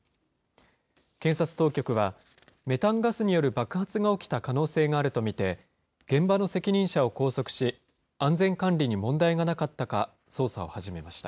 検察当局は、メタンガスによる爆発が起きた可能性があると見て、現場の責任者を拘束し、安全管理に問題がなかったか、捜査を始めました。